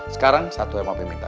sekarang satu yang mau minta